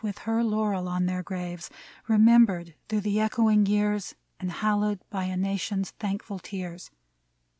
With her laurel on their graves. Remembered through the echoing years And hallowed by a nation's thankful tears